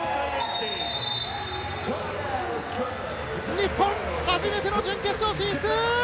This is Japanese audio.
日本、初めての準決勝進出！